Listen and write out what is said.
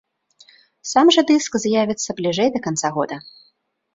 Сам жа дыск з'явіцца бліжэй да канца года.